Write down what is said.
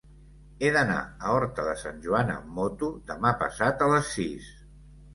He d'anar a Horta de Sant Joan amb moto demà passat a les sis.